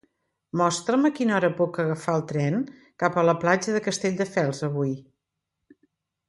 Mostra'm a quina hora puc agafar el tren cap a Platja de Castelldefels avui.